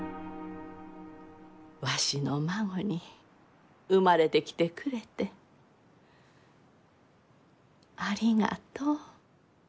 わしの孫に生まれてきてくれてありがとう。